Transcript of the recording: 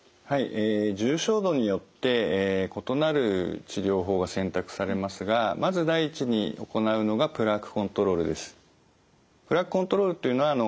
重症度によって異なる治療法が選択されますがまず第一に行うのがプラークコントロールというのは患者さん自身がですね